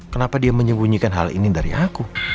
kenapa dia menyembunyikan hal ini dari aku